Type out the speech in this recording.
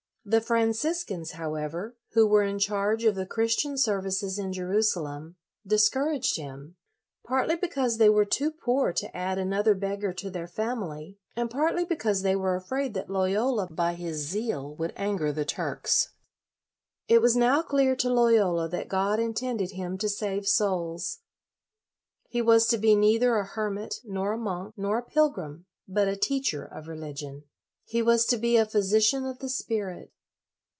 The Franciscans, however, who were in charge of the Chris tian services in Jerusalem, discouraged him, partly because they were too poor to add another beggar to their family, and partly because they were afraid that Loyola, by his zeal, would anger the Turks. It was now clear to Loyola that God intended him to save souls. He was to be neither a hermit, nor a monk, nor a pilgrim, but a teacher of religion. He was to be a physician of the spirit.